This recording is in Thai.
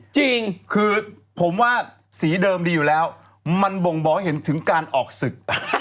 จริงคือผมว่าสีเดิมดีอยู่แล้วมันบ่งบอกให้เห็นถึงการออกศึก